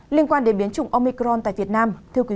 liên quan đến biến chủng omicron tại việt nam